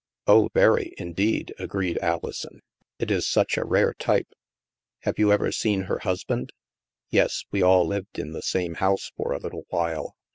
" Oh, very, indeed/' agreed AHson. " It is such a rare type." " Have you ever seen her husband ?"" Yes. We all lived in the same house for a Uttle while."